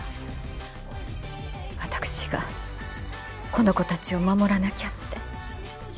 私がこの子たちを守らなきゃって。